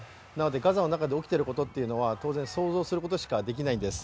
ガザの中で起きているということは当然想像するしかできないんです。